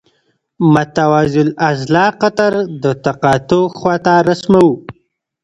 متوازی الاضلاع قطر د تقاطع خواته رسموو.